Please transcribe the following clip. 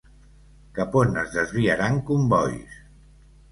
Cap on es desviaran combois?